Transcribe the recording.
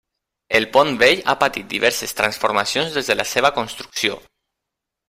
El Pont Vell ha patit diverses transformacions des de la seva construcció.